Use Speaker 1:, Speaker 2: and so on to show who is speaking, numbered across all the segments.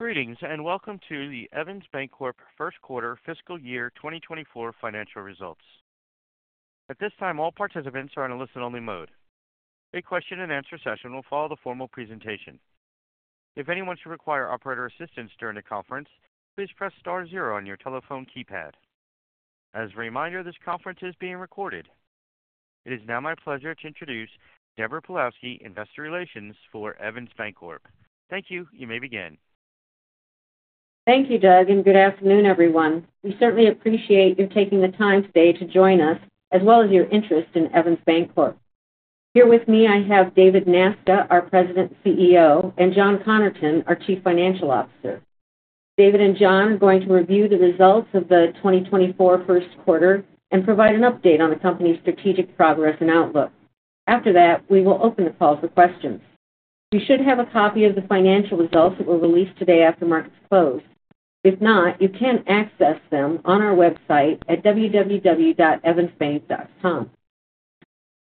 Speaker 1: Greetings and welcome to the Evans Bancorp 1Q fiscal year 2024 financial results. At this time, all participants are in a listen-only mode. A question-and-answer session will follow the formal presentation. If anyone should require operator assistance during the conference, please press star zero on your telephone keypad. As a reminder, this conference is being recorded. It is now my pleasure to introduce Deborah Pawlowski, investor relations for Evans Bancorp. Thank you. You may begin.
Speaker 2: Thank you, Doug, and good afternoon, everyone. We certainly appreciate your taking the time today to join us, as well as your interest in Evans Bancorp. Here with me, I have David Nasca, our President and CEO, and John Connerton, our Chief Financial Officer. David and John are going to review the results of the 2024 1Q and provide an update on the company's strategic progress and outlook. After that, we will open the call for questions. You should have a copy of the financial results that were released today after markets close. If not, you can access them on our website at www.evansbank.com.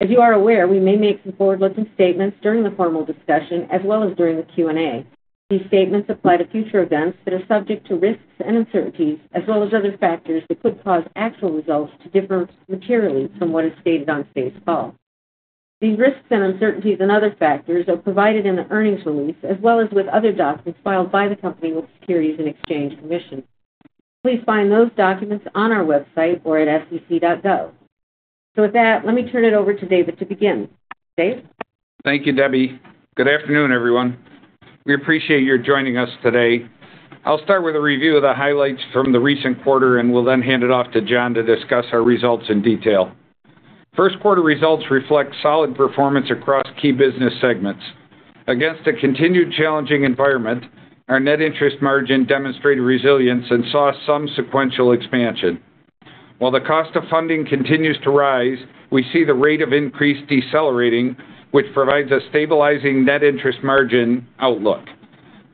Speaker 2: As you are aware, we may make some forward-looking statements during the formal discussion, as well as during the Q&A. These statements apply to future events that are subject to risks and uncertainties, as well as other factors that could cause actual results to differ materially from what is stated on today's call. These risks and uncertainties and other factors are provided in the earnings release, as well as with other documents filed by the company with Securities and Exchange Commission. Please find those documents on our website or at sec.gov. So with that, let me turn it over to David to begin. Dave?
Speaker 3: Thank you, Debbie. Good afternoon, everyone. We appreciate your joining us today. I'll start with a review of the highlights from the recent quarter, and we'll then hand it off to John to discuss our results in detail. 1Q results reflect solid performance across key business segments. Against a continued challenging environment, our net interest margin demonstrated resilience and saw some sequential expansion. While the cost of funding continues to rise, we see the rate of increase decelerating, which provides a stabilizing net interest margin outlook,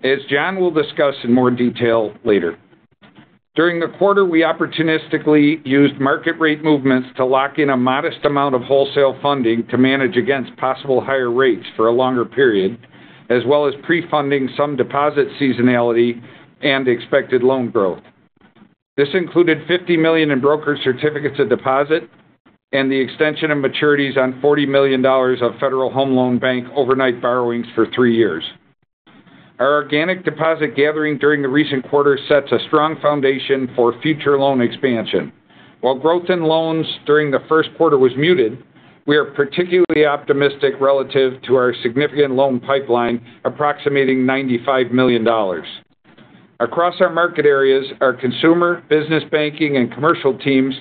Speaker 3: as John will discuss in more detail later. During the quarter, we opportunistically used market rate movements to lock in a modest amount of wholesale funding to manage against possible higher rates for a longer period, as well as pre-funding some deposit seasonality and expected loan growth. This included $50 million in brokered certificates of deposit and the extension of maturities on $40 million of Federal Home Loan Bank overnight borrowings for three years. Our organic deposit gathering during the recent quarter sets a strong foundation for future loan expansion. While growth in loans during the 1Q was muted, we are particularly optimistic relative to our significant loan pipeline approximating $95 million. Across our market areas, our consumer, business banking, and commercial teams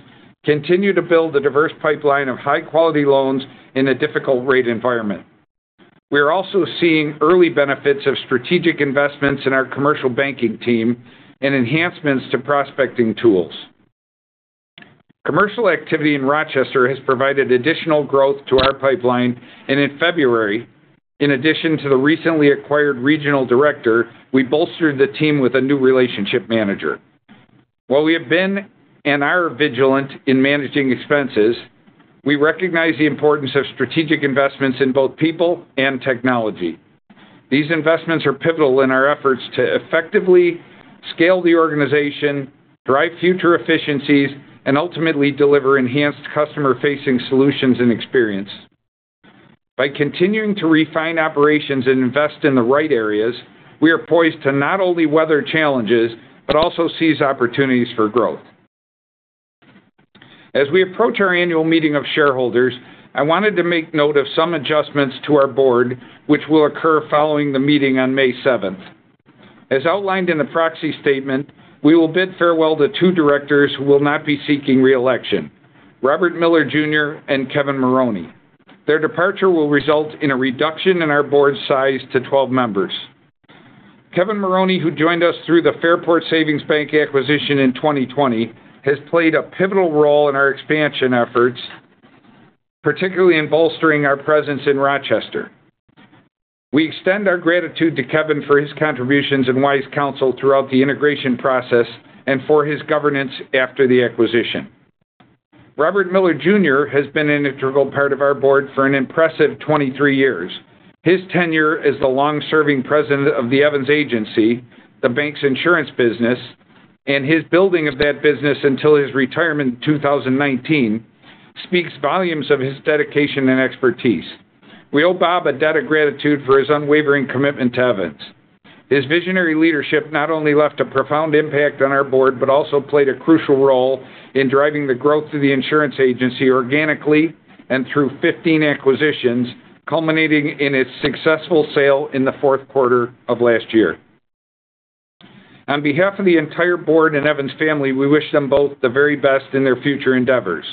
Speaker 3: continue to build a diverse pipeline of high-quality loans in a difficult rate environment. We are also seeing early benefits of strategic investments in our commercial banking team and enhancements to prospecting tools. Commercial activity in Rochester has provided additional growth to our pipeline, and in February, in addition to the recently acquired regional director, we bolstered the team with a new relationship manager. While we have been and are vigilant in managing expenses, we recognize the importance of strategic investments in both people and technology. These investments are pivotal in our efforts to effectively scale the organization, drive future efficiencies, and ultimately deliver enhanced customer-facing solutions and experience. By continuing to refine operations and invest in the right areas, we are poised to not only weather challenges but also seize opportunities for growth. As we approach our annual meeting of shareholders, I wanted to make note of some adjustments to our board, which will occur following the meeting on May 7th. As outlined in the proxy statement, we will bid farewell to two directors who will not be seeking reelection: Robert Miller Jr. and Kevin Maroney. Their departure will result in a reduction in our board size to 12 members. Kevin Maroney, who joined us through the Fairport Savings Bank acquisition in 2020, has played a pivotal role in our expansion efforts, particularly in bolstering our presence in Rochester. We extend our gratitude to Kevin for his contributions and wise counsel throughout the integration process and for his governance after the acquisition. Robert Miller Jr. has been an integral part of our board for an impressive 23 years. His tenure as the long-serving president of the Evans Agency, the bank's insurance business, and his building of that business until his retirement in 2019 speaks volumes of his dedication and expertise. We owe Bob a debt of gratitude for his unwavering commitment to Evans. His visionary leadership not only left a profound impact on our board but also played a crucial role in driving the growth of the insurance agency organically and through 15 acquisitions, culminating in its successful sale in the 4Q of last year. On behalf of the entire board and Evans family, we wish them both the very best in their future endeavors.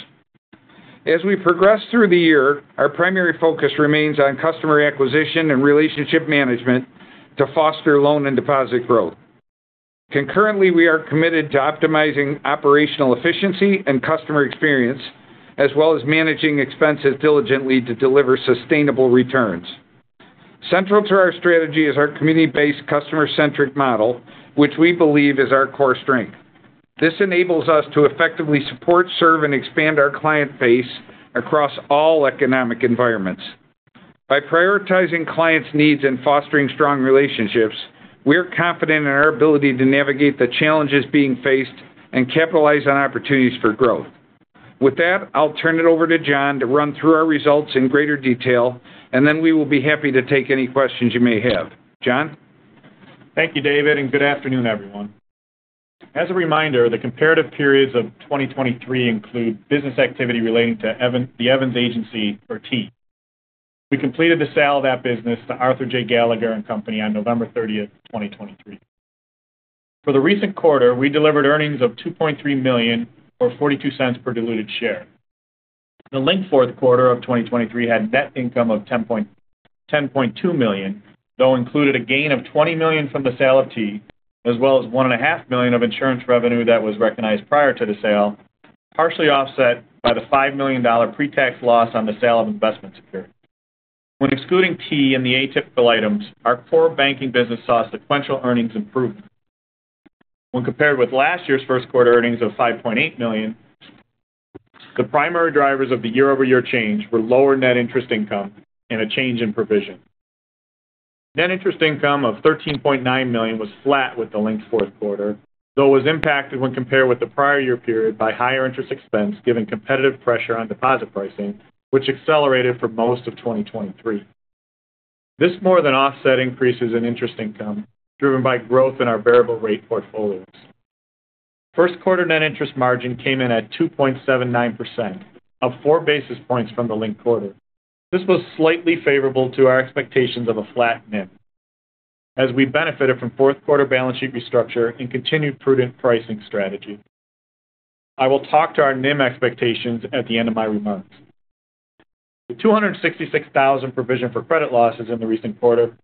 Speaker 3: As we progress through the year, our primary focus remains on customer acquisition and relationship management to foster loan and deposit growth. Concurrently, we are committed to optimizing operational efficiency and customer experience, as well as managing expenses diligently to deliver sustainable returns. Central to our strategy is our community-based, customer-centric model, which we believe is our core strength. This enables us to effectively support, serve, and expand our client base across all economic environments. By prioritizing clients' needs and fostering strong relationships, we are confident in our ability to navigate the challenges being faced and capitalize on opportunities for growth. With that, I'll turn it over to John to run through our results in greater detail, and then we will be happy to take any questions you may have. John?
Speaker 4: Thank you, David, and good afternoon, everyone. As a reminder, the comparative periods of 2023 include business activity relating to the Evans Agency, or TEA. We completed the sale of that business to Arthur J. Gallagher and Company on November 30th, 2023. For the recent quarter, we delivered earnings of $2.3 million or $0.42 per diluted share. The linked 4Q of 2023 had net income of $10.2 million, though included a gain of $20 million from the sale of T, as well as $1.5 million of insurance revenue that was recognized prior to the sale, partially offset by the $5 million pretax loss on the sale of investment securities. When excluding T and the atypical items, our core banking business saw sequential earnings improvement. When compared with last year's 1Q earnings of $5.8 million, the primary drivers of the year-over-year change were lower net interest income and a change in provision. Net interest income of $13.9 million was flat with the linked 4Q, though was impacted when compared with the prior year period by higher interest expense given competitive pressure on deposit pricing, which accelerated for most of 2023. This more than offset increases in interest income driven by growth in our variable rate portfolios. 1Q net interest margin came in at 2.79%, up four basis points from the linked quarter. This was slightly favorable to our expectations of a flat NIM, as we benefited from 4Q balance sheet restructure and continued prudent pricing strategy. I will talk to our NIM expectations at the end of my remarks. The $266,000 provision for credit losses in the recent quarter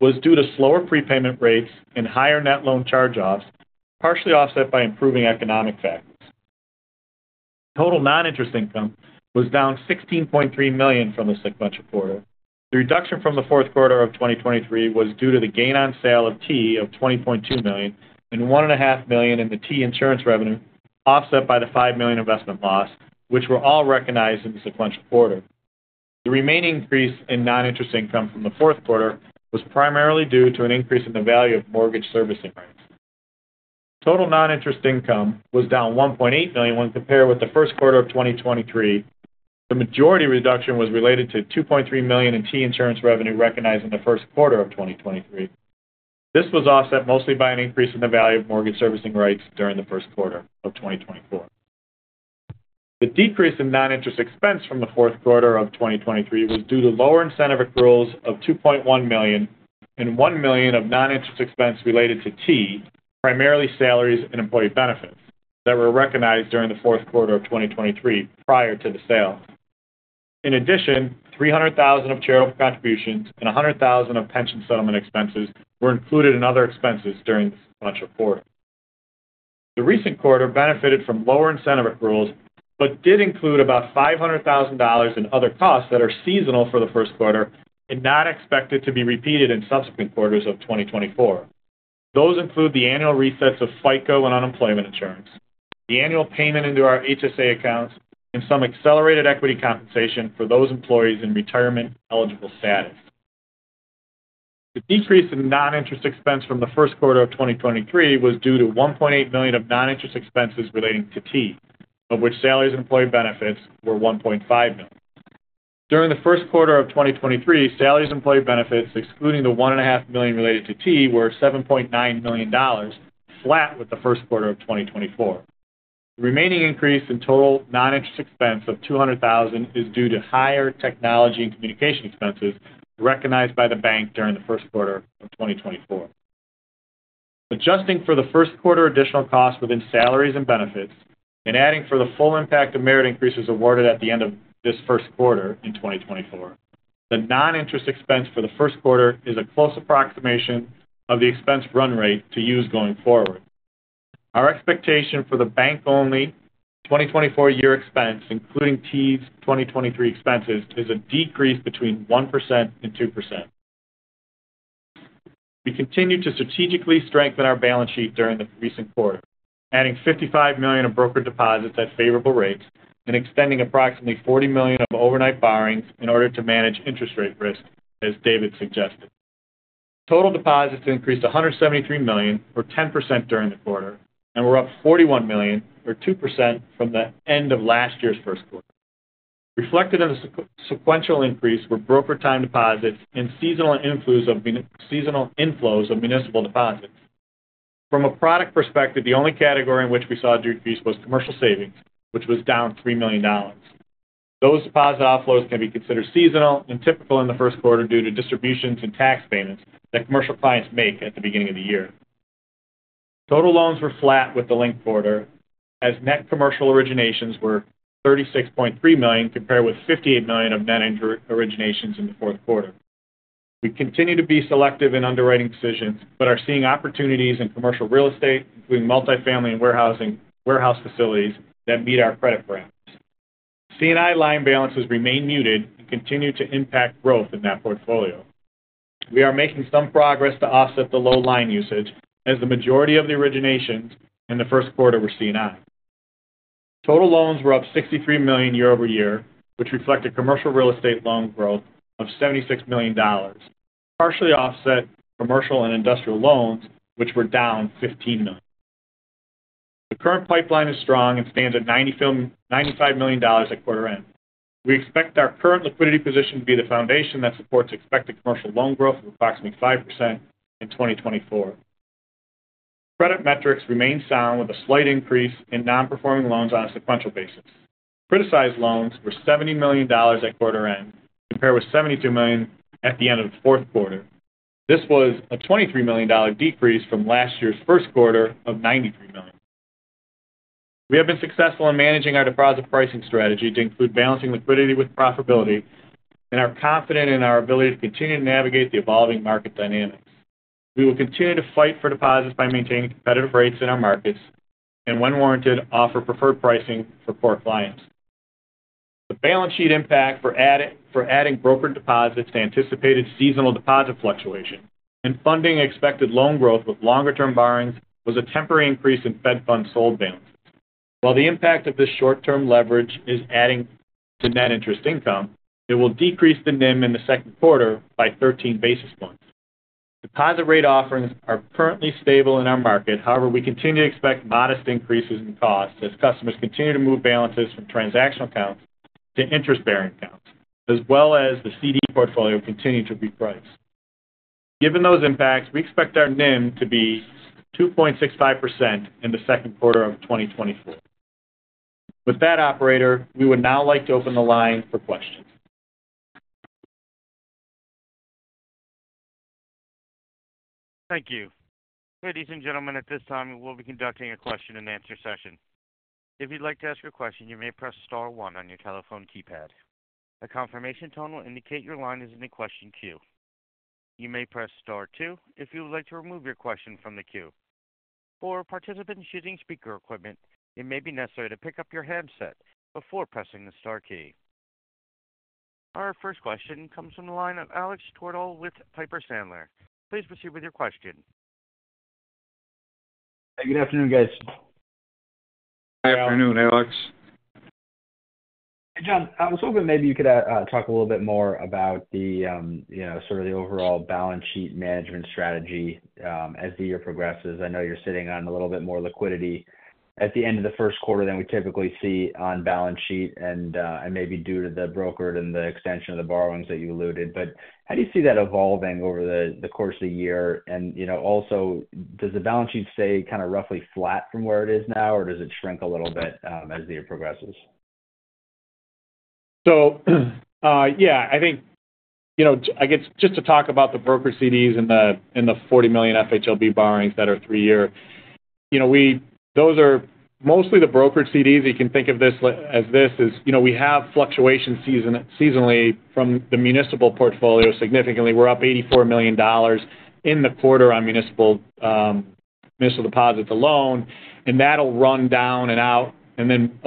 Speaker 4: was due to slower prepayment rates and higher net loan charge-offs, partially offset by improving economic factors. Total non-interest income was down $16.3 million from the sequential quarter. The reduction from the 4Q of 2023 was due to the gain on sale of the Evans Agency of $20.2 million and $1.5 million in the Evans Agency insurance revenue, offset by the $5 million investment loss, which were all recognized in the sequential quarter. The remaining increase in non-interest income from the 4Q was primarily due to an increase in the value of mortgage servicing rights. Total non-interest income was down $1.8 million when compared with the 1Q of 2023. The majority reduction was related to $2.3 million in Evans Agency insurance revenue recognized in the 1Q of 2023. This was offset mostly by an increase in the value of mortgage servicing rights during the 1Q of 2024. The decrease in non-interest expense from the 4Q of 2023 was due to lower incentive accruals of $2.1 million and $1 million of non-interest expense related to T, primarily salaries and employee benefits, that were recognized during the 4Q of 2023 prior to the sale. In addition, $300,000 of charitable contributions and $100,000 of pension settlement expenses were included in other expenses during the sequential quarter. The recent quarter benefited from lower incentive accruals but did include about $500,000 in other costs that are seasonal for the 1Q and not expected to be repeated in subsequent quarters of 2024. Those include the annual resets of FICO and unemployment insurance, the annual payment into our HSA accounts, and some accelerated equity compensation for those employees in retirement eligible status. The decrease in non-interest expense from the 1Q of 2023 was due to $1.8 million of non-interest expenses relating to T, of which salaries and employee benefits were $1.5 million. During the 1Q of 2023, salaries and employee benefits, excluding the $1.5 million related to T, were $7.9 million, flat with the 1Q of 2024. The remaining increase in total non-interest expense of $200,000 is due to higher technology and communication expenses recognized by the bank during the 1Q of 2024. Adjusting for the 1Q additional costs within salaries and benefits and adding for the full impact of merit increases awarded at the end of this 1Q in 2024, the non-interest expense for the 1Q is a close approximation of the expense run rate to use going forward. Our expectation for the bank-only 2024 year expense, including T's 2023 expenses, is a decrease between 1%-2%. We continue to strategically strengthen our balance sheet during the recent quarter, adding $55 million of broker deposits at favorable rates and extending approximately $40 million of overnight borrowings in order to manage interest rate risk, as David suggested. Total deposits increased $173 million, or 10%, during the quarter and were up $41 million, or 2%, from the end of last year's 1Q. Reflected in the sequential increase were broker time deposits and seasonal inflows of municipal deposits. From a product perspective, the only category in which we saw a decrease was commercial savings, which was down $3 million. Those deposit offloads can be considered seasonal and typical in the 1Q due to distributions and tax payments that commercial clients make at the beginning of the year. Total loans were flat with the linked quarter, as net commercial originations were $36.3 million compared with $58 million of net originations in the 4Q. We continue to be selective in underwriting decisions but are seeing opportunities in commercial real estate, including multifamily and warehouse facilities, that meet our credit parameters. C&I line balances remain muted and continue to impact growth in that portfolio. We are making some progress to offset the low line usage, as the majority of the originations in the 1Q were C&I. Total loans were up $63 million year-over-year, which reflected commercial real estate loan growth of $76 million, partially offset commercial and industrial loans, which were down $15 million. The current pipeline is strong and stands at $95 million at quarter-end. We expect our current liquidity position to be the foundation that supports expected commercial loan growth of approximately 5% in 2024. Credit metrics remain sound, with a slight increase in non-performing loans on a sequential basis. Criticized loans were $70 million at quarter-end compared with $72 million at the end of the 4Q. This was a $23 million decrease from last year's 1Q of $93 million. We have been successful in managing our deposit pricing strategy to include balancing liquidity with profitability, and are confident in our ability to continue to navigate the evolving market dynamics. We will continue to fight for deposits by maintaining competitive rates in our markets and, when warranted, offer preferred pricing for core clients. The balance sheet impact for adding brokered deposits to anticipated seasonal deposit fluctuation and funding expected loan growth with longer-term borrowings was a temporary increase in Fed funds sold balances. While the impact of this short-term leverage is adding to net interest income, it will decrease the NIM in the second quarter by 13 basis points. Deposit rate offerings are currently stable in our market. However, we continue to expect modest increases in costs as customers continue to move balances from transactional accounts to interest-bearing accounts, as well as the CD portfolio continuing to reprice. Given those impacts, we expect our NIM to be 2.65% in the second quarter of 2024. With that, operator, we would now like to open the line for questions.
Speaker 1: Thank you. Ladies and gentlemen, at this time, we will be conducting a question-and-answer session. If you'd like to ask a question, you may press star 1 on your telephone keypad. A confirmation tone will indicate your line is in the question queue. You may press star 2 if you would like to remove your question from the queue. For participants using speaker equipment, it may be necessary to pick up your handset before pressing the star key. Our first question comes from the line of Alex Twerdahl with Piper Sandler. Please proceed with your question.
Speaker 5: Hey, good afternoon, guys.
Speaker 4: Good afternoon, Alex.
Speaker 5: Hey, John. I was hoping maybe you could talk a little bit more about sort of the overall balance sheet management strategy as the year progresses. I know you're sitting on a little bit more liquidity at the end of the 1Q than we typically see on balance sheet and maybe due to the brokered and the extension of the borrowings that you alluded. But how do you see that evolving over the course of the year? And also, does the balance sheet stay kind of roughly flat from where it is now, or does it shrink a little bit as the year progresses?
Speaker 4: So yeah, I think I guess just to talk about the brokered CDs and the $40 million FHLB borrowings that are three-year, those are mostly the brokered CDs. You can think of this as this: we have fluctuation seasonally from the municipal portfolio significantly. We're up $84 million in the quarter on municipal deposits alone, and that'll run down and out and then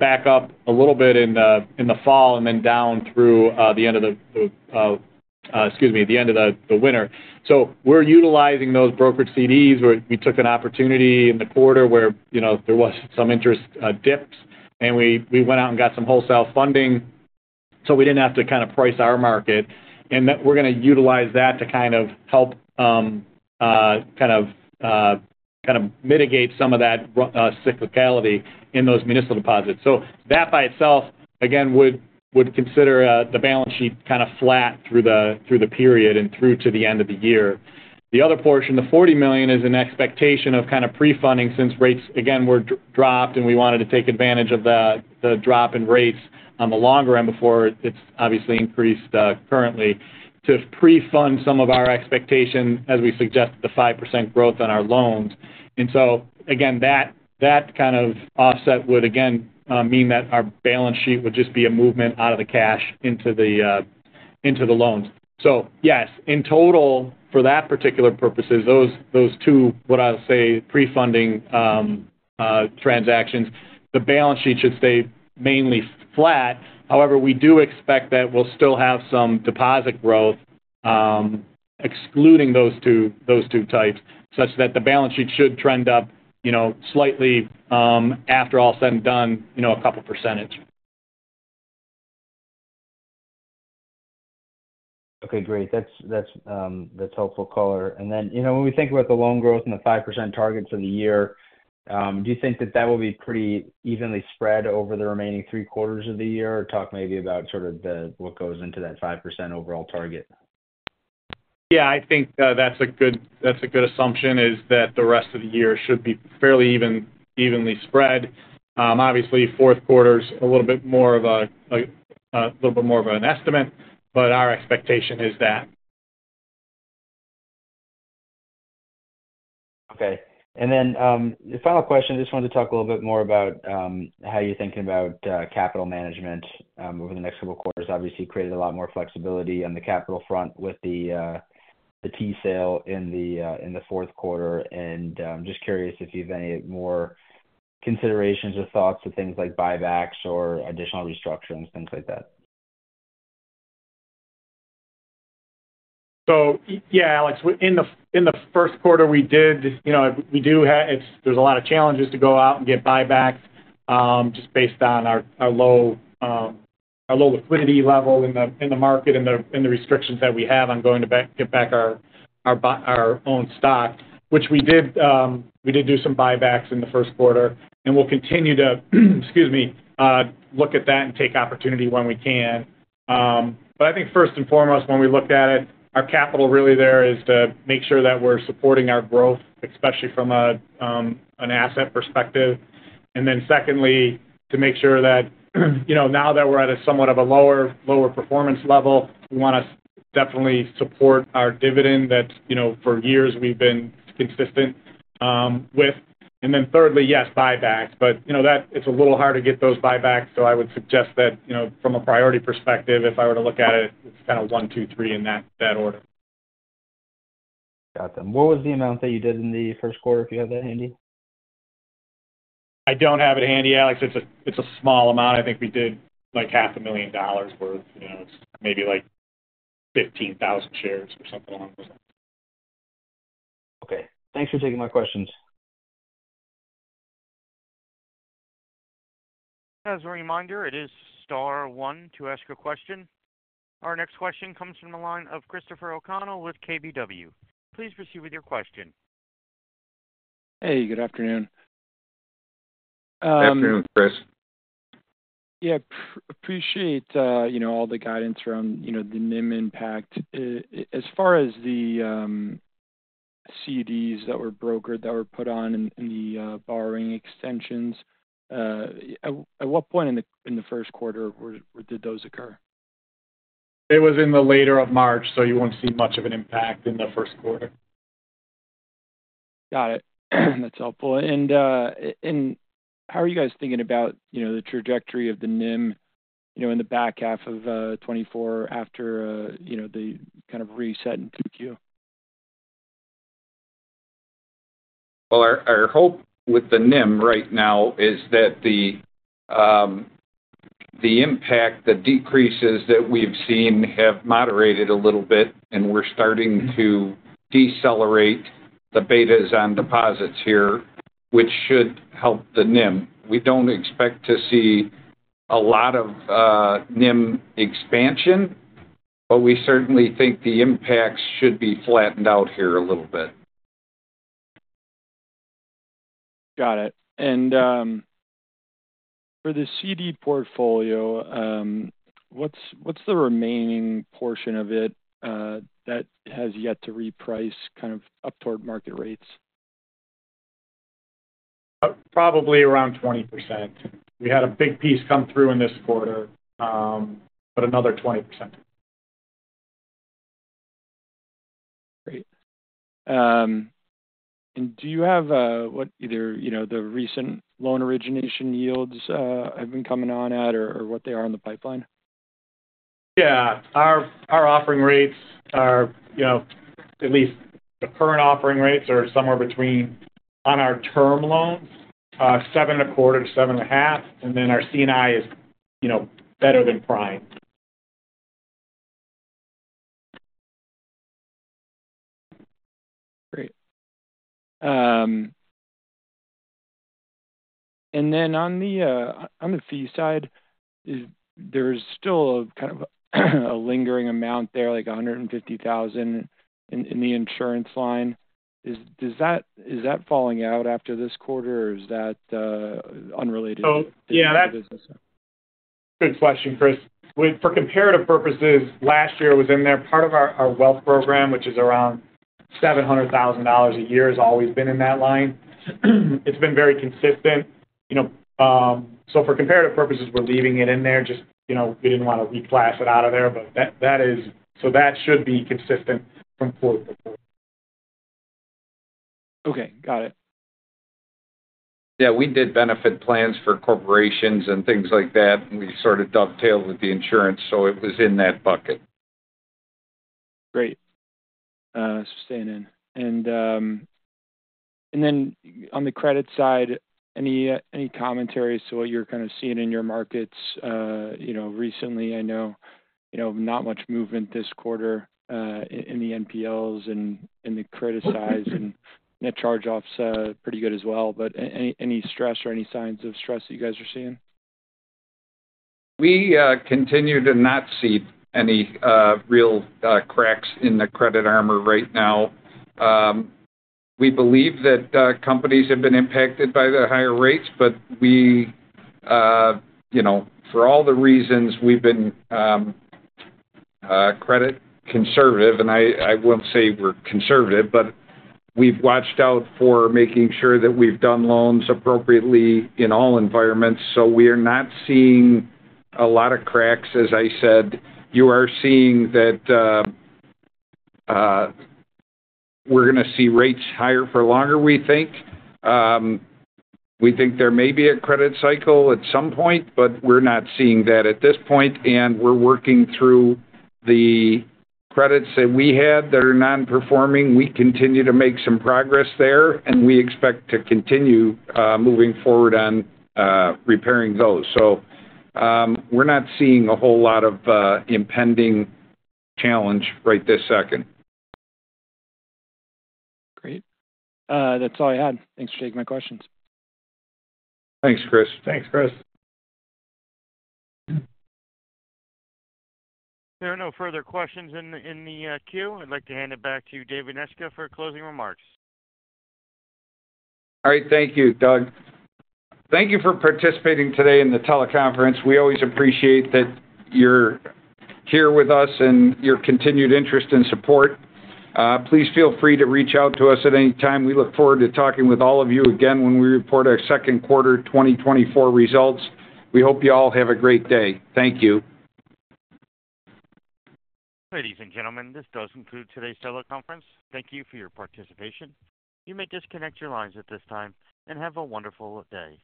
Speaker 4: back up a little bit in the fall and then down through the end of the excuse me, the end of the winter. So we're utilizing those brokered CDs. We took an opportunity in the quarter where there was some interest dips, and we went out and got some wholesale funding so we didn't have to kind of price our market. And we're going to utilize that to kind of help kind of mitigate some of that cyclicality in those municipal deposits. So that by itself, again, would consider the balance sheet kind of flat through the period and through to the end of the year. The other portion, the $40 million, is an expectation of kind of pre-funding since rates, again, were dropped, and we wanted to take advantage of the drop in rates on the longer end before it's obviously increased currently to pre-fund some of our expectation, as we suggested, the 5% growth on our loans. And so again, that kind of offset would, again, mean that our balance sheet would just be a movement out of the cash into the loans. So yes, in total, for that particular purposes, those two, what I'll say, pre-funding transactions, the balance sheet should stay mainly flat. However, we do expect that we'll still have some deposit growth excluding those two types, such that the balance sheet should trend up slightly, after all said and done, a couple percentage.
Speaker 5: Okay, great. That's helpful, Caller. And then when we think about the loan growth and the 5% target for the year, do you think that that will be pretty evenly spread over the remaining three quarters of the year or talk maybe about sort of what goes into that 5% overall target?
Speaker 4: Yeah, I think that's a good assumption, is that the rest of the year should be fairly evenly spread. Obviously, 4Q's a little bit more of an estimate, but our expectation is that.
Speaker 5: Okay. And then the final question, just wanted to talk a little bit more about how you're thinking about capital management over the next couple quarters. Obviously, you created a lot more flexibility on the capital front with the T sale in the 4Q. And I'm just curious if you have any more considerations or thoughts of things like buybacks or additional restructurings, things like that.
Speaker 4: So yeah, Alex, in the 1Q, we do have a lot of challenges to go out and get buybacks just based on our low liquidity level in the market and the restrictions that we have on going to get back our own stock, which we did do some buybacks in the 1Q. We'll continue to, excuse me, look at that and take opportunity when we can. I think first and foremost, when we look at it, our capital really there is to make sure that we're supporting our growth, especially from an asset perspective. Then secondly, to make sure that now that we're at a somewhat of a lower performance level, we want to definitely support our dividend that for years we've been consistent with. And then thirdly, yes, buybacks. It's a little hard to get those buybacks, so I would suggest that from a priority perspective, if I were to look at it, it's kind of one, two, three in that order.
Speaker 5: Got them. What was the amount that you did in the 1Q, if you have that handy?
Speaker 4: I don't have it handy, Alex. It's a small amount. I think we did $500,000 worth. It's maybe like 15,000 shares or something along those lines.
Speaker 5: Okay. Thanks for taking my questions.
Speaker 1: As a reminder, it is star 1 to ask a question. Our next question comes from the line of Christopher O'Connell with KBW. Please proceed with your question.
Speaker 6: Hey, good afternoon.
Speaker 3: Good afternoon, Chris.
Speaker 6: Yeah, appreciate all the guidance around the NIM impact. As far as the CDs that were brokered, that were put on in the borrowing extensions, at what point in the 1Q did those occur?
Speaker 4: It was in the latter of March, so you won't see much of an impact in the 1Q.
Speaker 6: Got it. That's helpful. And how are you guys thinking about the trajectory of the NIM in the back half of 2024 after the kind of reset in 2Q?
Speaker 3: Well, our hope with the NIM right now is that the impact, the decreases that we've seen have moderated a little bit, and we're starting to decelerate the betas on deposits here, which should help the NIM. We don't expect to see a lot of NIM expansion, but we certainly think the impacts should be flattened out here a little bit.
Speaker 6: Got it. For the CD portfolio, what's the remaining portion of it that has yet to reprice kind of up toward market rates?
Speaker 4: Probably around 20%. We had a big piece come through in this quarter, but another 20%.
Speaker 6: Great. Do you have either the recent loan origination yields have been coming on at or what they are in the pipeline?
Speaker 4: Yeah, our offering rates, at least the current offering rates, are somewhere between, on our term loans, 7.25%-7.5%, and then our C&I is better than prime.
Speaker 6: Great. And then on the fee side, there's still kind of a lingering amount there, like $150,000 in the insurance line. Is that falling out after this quarter, or is that unrelated to the business?
Speaker 4: So yeah, that's a good question, Chris. For comparative purposes, last year it was in there. Part of our wealth program, which is around $700,000 a year, has always been in that line. It's been very consistent. So for comparative purposes, we're leaving it in there. We didn't want to reclass it out of there, but that is so that should be consistent from quarter to quarter.
Speaker 6: Okay, got it.
Speaker 3: Yeah, we did benefit plans for corporations and things like that, and we sort of dovetailed with the insurance, so it was in that bucket.
Speaker 6: Great. Staying in. And then on the credit side, any commentaries to what you're kind of seeing in your markets recently? I know not much movement this quarter in the NPLs and the credit size, and net charge-offs pretty good as well. But any stress or any signs of stress that you guys are seeing?
Speaker 3: We continue to not see any real cracks in the credit armor right now. We believe that companies have been impacted by the higher rates, but for all the reasons, we've been credit conservative. I won't say we're conservative, but we've watched out for making sure that we've done loans appropriately in all environments. So we are not seeing a lot of cracks, as I said. You are seeing that we're going to see rates higher for longer, we think. We think there may be a credit cycle at some point, but we're not seeing that at this point. We're working through the credits that we had that are non-performing. We continue to make some progress there, and we expect to continue moving forward on repairing those. So we're not seeing a whole lot of impending challenge right this second.
Speaker 6: Great. That's all I had. Thanks for taking my questions.
Speaker 3: Thanks, Chris.
Speaker 6: Thanks, Chris.
Speaker 1: There are no further questions in the queue. I'd like to hand it back to you, David Nasca, for closing remarks.
Speaker 3: All right, thank you, Doug. Thank you for participating today in the teleconference. We always appreciate that you're here with us and your continued interest and support. Please feel free to reach out to us at any time. We look forward to talking with all of you again when we report our second quarter 2024 results. We hope you all have a great day. Thank you.
Speaker 1: Ladies and gentlemen, this does conclude today's teleconference. Thank you for your participation. You may disconnect your lines at this time and have a wonderful day.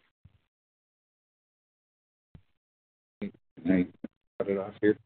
Speaker 3: All right. Thanks. I'll cut it off here.